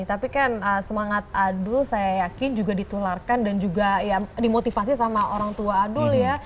tapi kan semangat adul saya yakin juga ditularkan dan juga ya dimotivasi sama orang tua adul ya